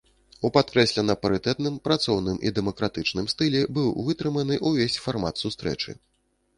У падкрэслена парытэтным, працоўным і дэмакратычным стылі быў вытрыманы ўвесь фармат сустрэчы.